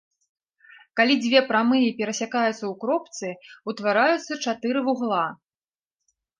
Калі дзве прамыя перасякаюцца ў кропцы, утвараюцца чатыры вугла.